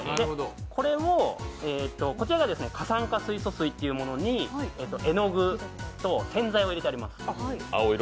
こちらが過酸化水素というものに、絵の具と洗剤を入れてあります。